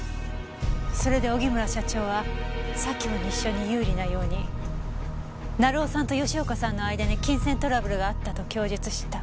それで荻村社長は左京西署に有利なように成尾さんと吉岡さんの間に金銭トラブルがあったと供述した。